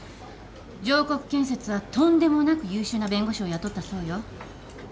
常國建設はとんでもなく優秀な弁護士を雇ったそうよ。